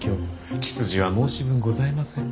血筋は申し分ございません。